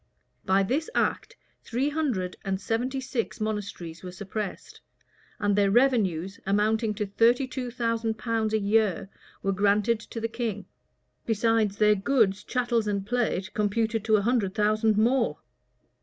By this act three hundred and seventy six monasteries were suppressed, and their revenues, amounting to thirty two thousand pounds a year, were granted to the king; besides their goods, chattels, and plate, computed at a hundred thousand pounds more.